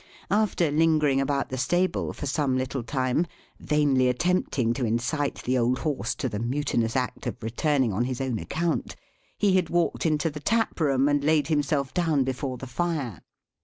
After lingering about the stable for some little time, vainly attempting to incite the old horse to the mutinous act of returning on his own account, he had walked into the tap room and laid himself down before the fire.